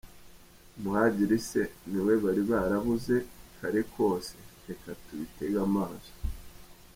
Muhadjiri se niwe bari barabuze Kare kose? Reka tubitege amaso!.